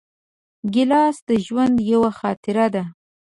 ګیلاس د ژوند یوه خاطره ده.